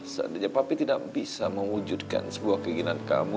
seandainya papi tidak bisa mewujudkan sebuah keinginan kamu